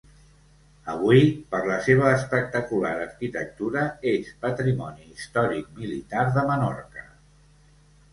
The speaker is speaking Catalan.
Avui, per la seva espectacular arquitectura, és Patrimoni Històric Militar de Menorca.